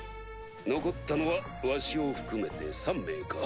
残ったのはわしを含めて３名か。